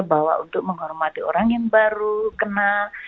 bahwa untuk menghormati orang yang baru kenal